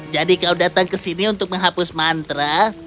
jadi kau datang ke sini untuk menghapus mantra